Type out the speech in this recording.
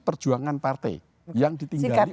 perjuangan partai yang ditinggali